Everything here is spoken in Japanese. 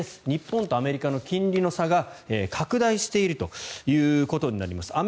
日本とアメリカの金利の差が拡大しているということになります。